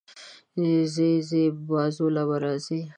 ځې ځې، بازو له به راځې